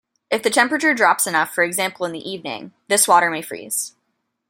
If the temperature drops enough, for example in the evening, this water may freeze.